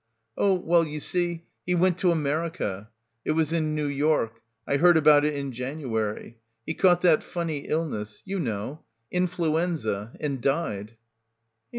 "Oh well, you see, he went to America. It was in New York. I heard about it in January. He caught that funny illness. You know. In fluenza — and died."